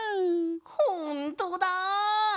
ほんとだ！